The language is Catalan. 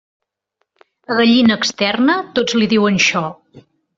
A gallina externa, tots li diuen xo.